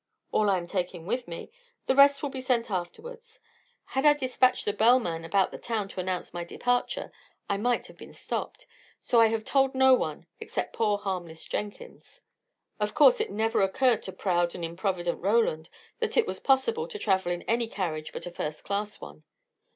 "All I am taking with me. The rest will be sent afterwards. Had I despatched the bellman about the town to announce my departure, I might have been stopped; so I have told no one, except poor harmless Jenkins." Of course it never occurred to proud and improvident Roland that it was possible to travel in any carriage but a first class one.